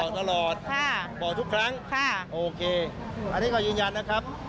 บอกตลอดบอกทุกครั้งโอเคอันนี้ก็ยืนยันนะครับ